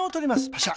パシャ。